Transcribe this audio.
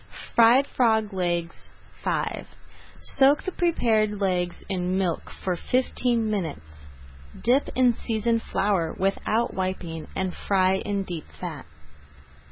FRIED FROG LEGS V Soak the prepared legs in milk for fifteen minutes. Dip in seasoned flour without wiping and fry in deep fat.